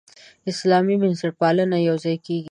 اسلامي بنسټپالنه یوځای کېږي.